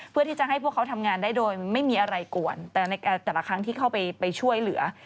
เพื่อที่จะให้พวกเขาทำงานได้โดยไม่มีอะไรกวนแต่ในแต่ละครั้งที่เข้าไปช่วยเหลือ